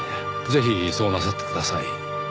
ぜひそうなさってください。